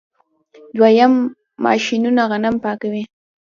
دریم ماشینونه غنم پاکوي.